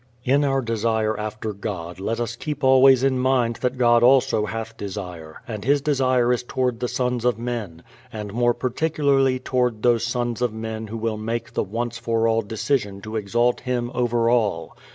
In our desire after God let us keep always in mind that God also hath desire, and His desire is toward the sons of men, and more particularly toward those sons of men who will make the once for all decision to exalt Him over all.